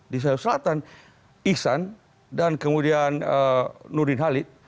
di sulawesi selatan ihsan dan kemudian nurdin halid